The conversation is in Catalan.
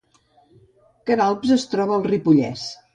Queralbs es troba al Ripollès